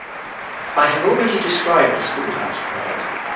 I have already described the School house prayers.